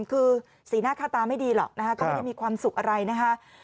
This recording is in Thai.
คือสีหน้าค่าตาไม่ดีหรอกนะคะก็ไม่ได้มีความสุขอะไรนะคะ